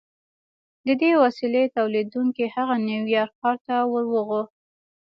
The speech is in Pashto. د دې وسیلې تولیدوونکي هغه نیویارک ښار ته ور وغوښت